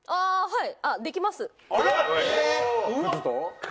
はい。